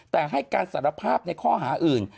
แต่ให้การสารภาพในข้อหาอื่น